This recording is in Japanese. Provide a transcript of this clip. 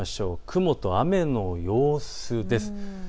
雲と雨の様子です。